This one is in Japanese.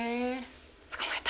「捕まえた！」。